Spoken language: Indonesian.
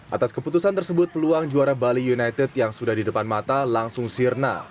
atas keputusan tersebut peluang juara bali united yang sudah di depan mata langsung sirna